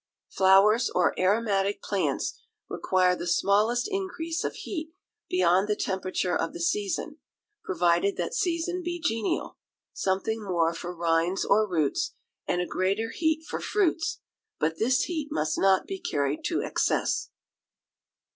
Flowers or aromatic plants require the smallest increase of heat beyond the temperature of the season, provided that season be genial: something more for rinds or roots, and a greater heat for fruits; but this heat must not be carried to excess.